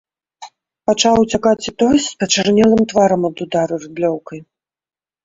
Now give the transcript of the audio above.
Пачаў уцякаць і той, з пачарнелым тварам ад удару рыдлёўкай.